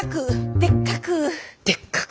「でっかくでっかく」？